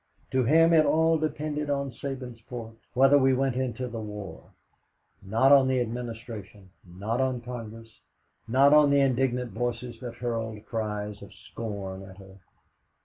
To him it all depended on Sabinsport whether we went into the war not on the Administration, not on Congress, not on the angry, indignant voices that hurled cries of scorn at her.